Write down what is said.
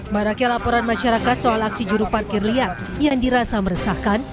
barangkali laporan masyarakat soal aksi juruparkir liar yang dirasa meresahkan